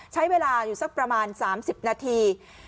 ใช้เวลาอยู่สักประมาณ๓๐นาที